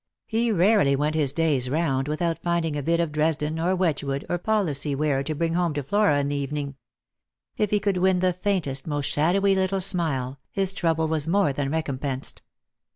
He rarely went his day's round without finding a bit of Dresden, or Wedgewood, or Palissy ware to bring home to Flora in the evening. If he could win the faintest, most shadowy little smile, his trouble was more than recompensed.